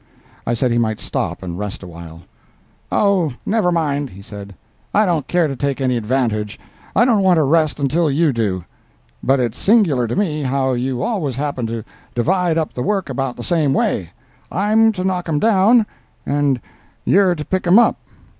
I said he might stop and rest awhile. "Oh, never mind," he said, "I don't care to take any advantage—I don't want to rest until you do. But it's singular to me how you always happen to divide up the work about the same way. I'm to knock 'em down, and you're to pick 'em up.